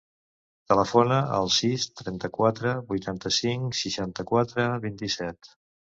Telefona al sis, trenta-quatre, vuitanta-cinc, seixanta-quatre, vint-i-set.